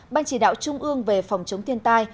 ban chỉ đạo trung ương về phòng chống thiên tai